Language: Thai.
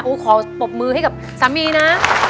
ช่วยดูขอคะขอปรบมือให้กับสามีนะ